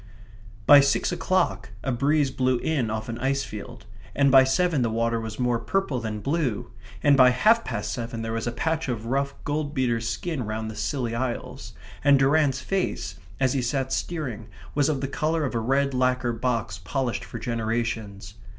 By six o'clock a breeze blew in off an icefield; and by seven the water was more purple than blue; and by half past seven there was a patch of rough gold beater's skin round the Scilly Isles, and Durrant's face, as he sat steering, was of the colour of a red lacquer box polished for generations.